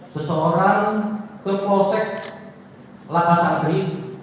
seseorang kekosek laka sangri